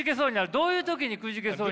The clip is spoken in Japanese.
どういう時にくじけそうに。